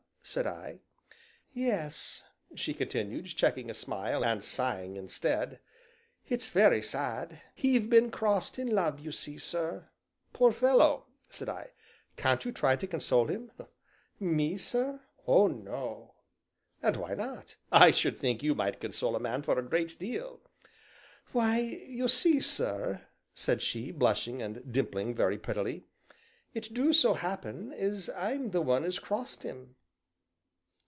said I. "Yes," she continued, checking a smile, and sighing instead; "it's very sad, he've been crossed in love you see, sir." "Poor fellow!" said I, "can't you try to console him?" "Me, sir oh no!" "And why not? I should think you might console a man for a great deal." "Why, you see, sir," said she, blushing and dimpling very prettily, "it do so happen as I'm the one as crossed him."